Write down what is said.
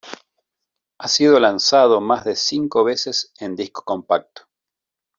Ha sido lanzado más de cinco veces en disco compacto.